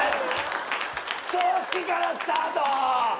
葬式からスタート！